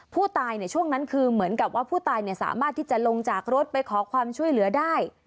ผู้ตายช่วงนั้นคือเหมือนกับว่าผู้ตายสามารถที่จะลงจากรถไปขอความช่วยเหลือได้